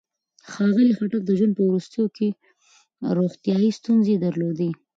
ښاغلي خټک د ژوند په وروستیو کې روغتيايي ستونزې درلودې.